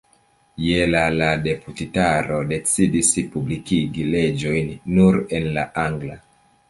Je la la deputitaro decidis publikigi leĝojn nur en la angla.